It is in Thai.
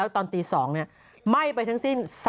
ตอนตี๒ไหม้ไปทั้งสิ้น